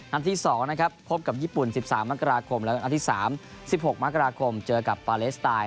นัดที่๒นะครับพบกับญี่ปุ่น๑๓มคและนัดที่๓๑๖มคเจอกับปาเลสไตล์